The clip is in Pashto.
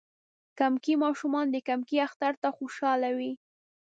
کمکي ماشومان د کمکی اختر ته خوشحاله وی.